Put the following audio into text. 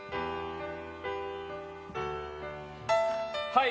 はい！